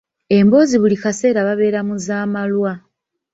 Emboozi buli kaseera babeera mu za malwa.